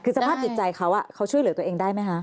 คือสภาพจิตใจเขาเขาช่วยเหลือตัวเองได้ไหมคะ